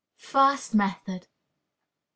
First Method.